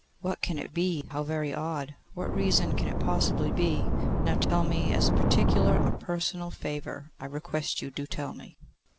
'What can it be? How very odd! What reason can it possibly be? Now tell me; as a particular, a personal favour, I request you, do tell me.